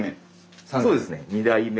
そうですね２代目。